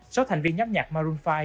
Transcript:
số thành viên nhóm nhạc maroon năm